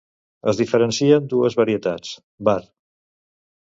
Es diferencien dues varietats: var.